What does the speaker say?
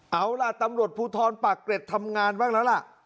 เอาล่ะตำรวจภูทรปากเกร็ดทำงานบ้างแล้วล่ะ